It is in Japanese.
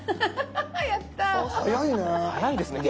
早いね。